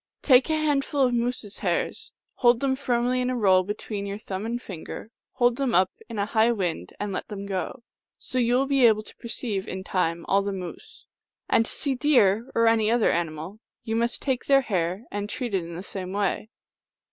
Take a hand ful of moose s hairs ; hold them firmly in a roll be tween your thumb and finger ; hold them up in a high wind and let them go. So you will be able to perceive, in time, all the moose. And to see deer, or any other animal, you must take their hair and treat it in the same way."